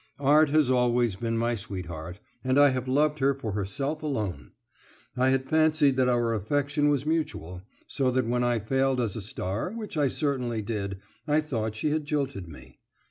Art has always been my sweetheart, and I have loved her for herself alone. I had fancied that our affection was mutual, so that when I failed as a star, which I certainly did, I thought she had jilted me.